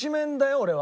俺は。